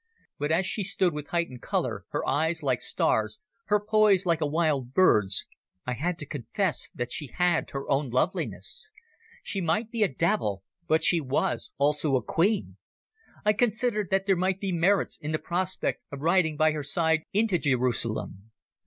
But as she stood with heightened colour, her eyes like stars, her poise like a wild bird's, I had to confess that she had her own loveliness. She might be a devil, but she was also a queen. I considered that there might be merits in the prospect of riding by her side into Jerusalem.